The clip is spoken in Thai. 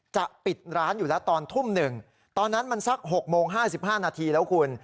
จะปิดร้านอยู่แล้วตอนทุ่มหนึ่งตอนนั้นมันสัก๖โมง๕๕นาทีแล้วคุณ